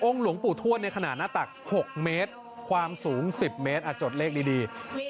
หลวงปู่ทวดในขณะหน้าตัก๖เมตรความสูง๑๐เมตรจดเลขดี